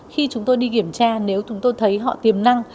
khi chúng tôi đi kiểm tra nếu chúng tôi thấy họ tiềm năng